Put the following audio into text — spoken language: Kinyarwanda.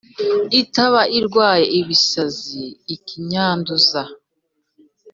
Itaba irwaye ibisazi ikanyanduza